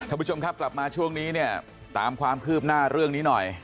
ท่านผู้ชมครับกลับมาช่วงนี้เนี่ยตามความคืบหน้าเรื่องนี้หน่อย